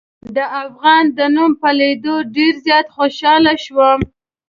د افغان د نوم په لیدلو ډېر زیات خوشحاله شوم.